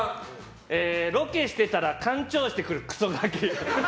ロケしてたらカンチョーしてくるクソガキ。